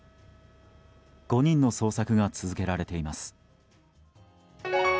５人の捜索が続けられています。